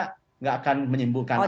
tidak akan menyembuhkan apa apa